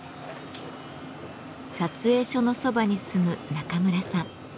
撮影所のそばに住む中村さん。